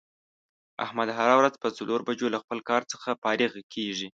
احمد هره روځ په څلور بجو له خپل کار څخه فارغ کېږي.